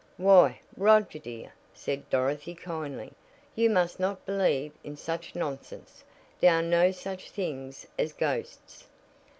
"Why, Roger, dear," said Dorothy kindly, "you must not believe in such nonsense. There are no such things as ghosts."